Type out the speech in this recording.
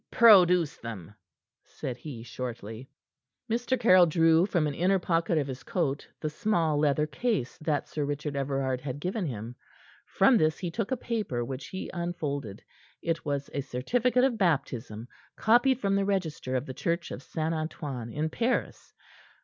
"Produce them," said he shortly. Mr. Caryll drew from an inner pocket of his coat the small leather case that Sir Richard Everard had given him. From this he took a paper which he unfolded. It was a certificate of baptism, copied from the register of the Church of St. Antoine in Paris.